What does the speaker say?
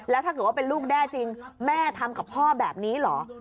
แล้วถ้าเกิดว่าเป็นลูกแด้จริงแม่ทำกับพ่อแบบนี้เหรอ